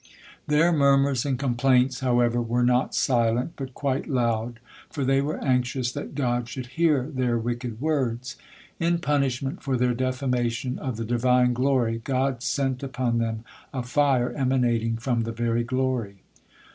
Their murmurs and complaints, however, were not silent, but quite loud, for they were anxious that God should hear their wicked words. In punishment for their defamation of the Divine glory, God sent upon them a fire emanating from the very glory.